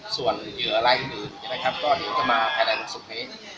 ส่วนเหลืออะไรอีกด้วยนะครับก็เดี๋ยวจะมาภายในลูกศึกเฮก